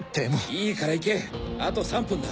いいから行けあと３分だ。